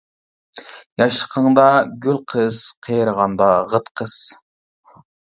ياشلىقىڭدا گۈل قىس، قېرىغاندا غىت قىس.